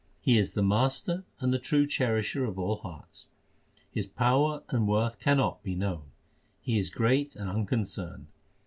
He is the Master and the true Cherisher of all hearts. His power and worth cannot be known ; He is great and unconcerned.